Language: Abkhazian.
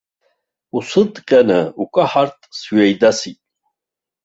Усыдҟьаны укаҳартә сҩеидасит.